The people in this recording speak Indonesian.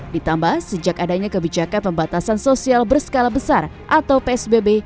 ditambah sejak adanya kebijakan pembatasan sosial berskala besar atau psbb